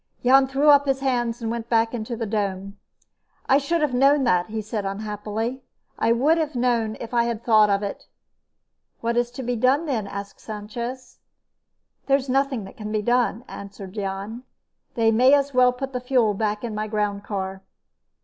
Jan threw up his hands and went back into the dome. "I should have known that," he said unhappily. "I would have known if I had thought of it." "What is to be done, then?" asked Sanchez. "There's nothing that can be done," answered Jan. "They may as well put the fuel back in my groundcar."